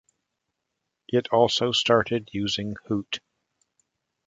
It also started using Hoot!